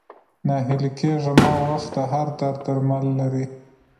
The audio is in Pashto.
ناهيلی کيږه مه ، وخت د هر درد درمل لري